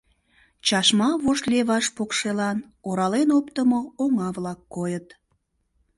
Чашма вошт леваш покшелан орален оптымо оҥа-влак койыт.